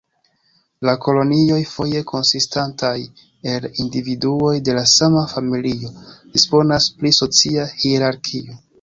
La kolonioj, foje konsistantaj el individuoj de la sama familio, disponas pri socia hierarkio.